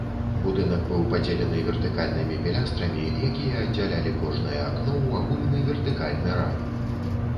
Будынак быў падзелены вертыкальнымі пілястрамі, якія аддзялялі кожнае акно ў агульны вертыкальны рад.